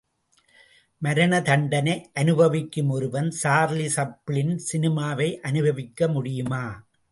மரண தண்டனை அனுபவிக்கும் ஒருவன் சார்லி சாப்ளின் சினிமாவை அனுபவிக்க முடியுமா?